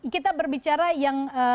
kita berbicara yang